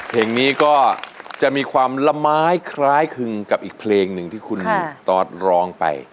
เพลงนี้ก็จะมีความละไม้คล้ายคลึงกับอีกเพลงหนึ่งที่คุณตอสร้องไป